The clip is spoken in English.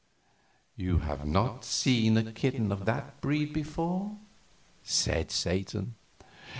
"You have not seen a kitten of that breed before," said Satan.